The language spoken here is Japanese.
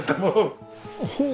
ほう！